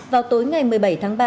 vào tối ngày một mươi bảy tháng ba